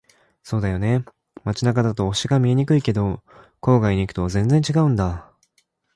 そうだよね。街中だと星が見えにくいけど、郊外に行くと全然違うんだ。